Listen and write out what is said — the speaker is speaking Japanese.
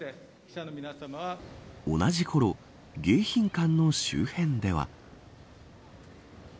同じころ、迎賓館の周辺では。